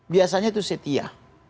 biasanya itu setia